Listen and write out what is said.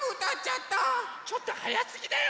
ちょっとはやすぎだよ！